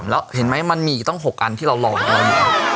แล้วเห็นไหมมันมีอีกตั้ง๖อันที่เรารอม